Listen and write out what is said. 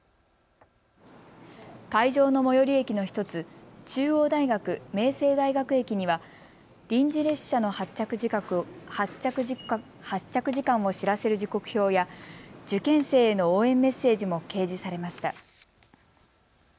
会場の最寄り駅の１つ、中央大学・明星大学駅には臨時列車の発着時間を知らせる時刻表や受験生への応援メッセージも掲示されました。